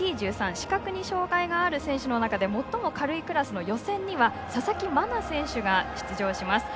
視覚に障害がある選手の中で最も軽いクラスの予選には、佐々木真菜選手が出場します。